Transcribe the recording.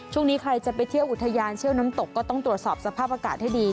ช่วงนี้ใครจะไปเที่ยวอุทยานเที่ยวน้ำตกก็ต้องตรวจสอบสภาพอากาศให้ดี